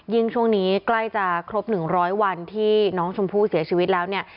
ช่วงนี้ใกล้จะครบ๑๐๐วันที่น้องชมพู่เสียชีวิตแล้วเนี่ย